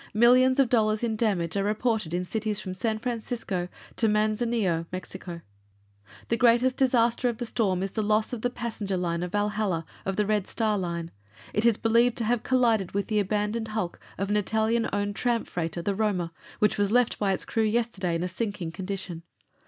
Millions of dollars in damage are reported in cities from San Francisco to Manzanillo, Mexico. "The greatest disaster of the storm is the loss of the passenger liner Valhalla, of the Red Star Line. It is believed to have collided with the abandoned hulk of an Italian owned tramp freighter, the Roma, which was left by its crew yesterday in a sinking condition.